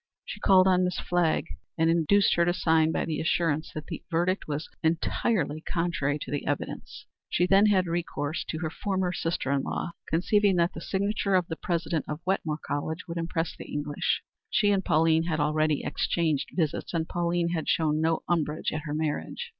She called on Miss Flagg and induced her to sign by the assurance that the verdict was entirely contrary to the evidence. She then had recourse to her former sister in law, conceiving that the signature of the President of Wetmore College would impress the English. She and Pauline had already exchanged visits, and Pauline had shown no umbrage at her marriage.